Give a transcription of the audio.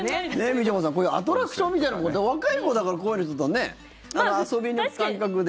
みちょぱさん、こういうアトラクションみたいなもの若い子だったら、こういうのね遊びの感覚で。